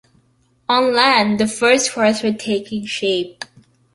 On land, the first forests were taking shape.